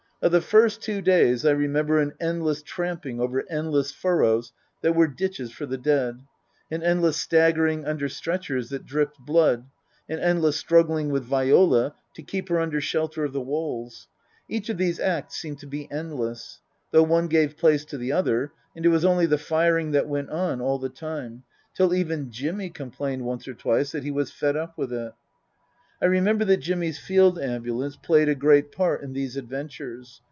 Of the first two days I remember an endless tramping over endless furrows that were ditches for the dead ; an endless staggering under stretchers that dripped blood ; an endless struggling with Viola to keep her under shelter of the walls ; each of these acts seemed to be endless, though one gave place to the other, and it was only the firing that went on all the time, till even Jimmy complained once or twice that he was fed up with it. I remember that Jimmy's Field Ambulance played a great part in these adventures.